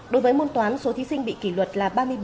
đối với môn toán số thí sinh bị kỷ luật là ba mươi ba